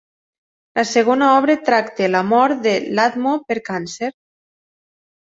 La segona obra tracta la mort de Ladmo per càncer.